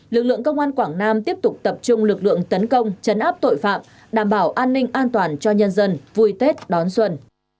lực lượng công an quảng nam tiếp tục tập trung lực lượng tấn công chấn áp tội phạm đảm bảo an ninh an toàn cho nhân dân vui tết đón xuân